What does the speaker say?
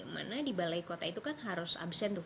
mana di balai kota itu kan harus absent